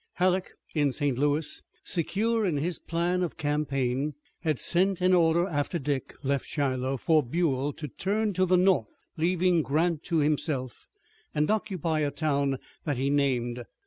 Halleck in St. Louis, secure in his plan of campaign, had sent an order after Dick left Shiloh, for Buell to turn to the north, leaving Grant to himself, and occupy a town that he named.